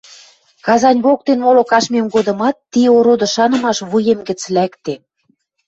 Казань воктен моло каштмем годымат ти ороды шанымаш вуем гӹц лӓкде.